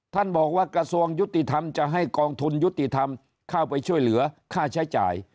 บอกว่ากระทรวงยุติธรรมจะให้กองทุนยุติธรรมเข้าไปช่วยเหลือค่าใช้จ่าย